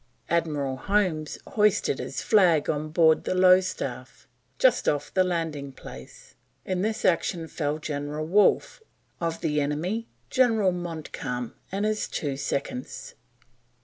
Admiral Holmes hoisted his flag on board the Lowestaff, just off the Landing place. In this action fell General Wolfe, of the enemy General Montcalm and his two seconds."